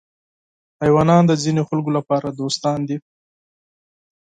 حیوانات د ځینو خلکو لپاره دوستان دي.